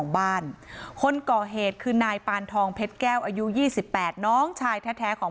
บ้านคนก่อเหตุคือนายปานทองเพชรแก้วอายุ๒๘น้องชายแท้ของ